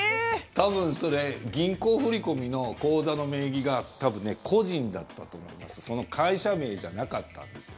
多分それ銀行振り込みの口座の名義が多分、個人だったと思います会社名じゃなかったんですよ。